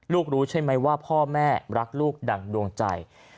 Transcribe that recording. รู้ใช่ไหมว่าพ่อแม่รักลูกดั่งดวงใจ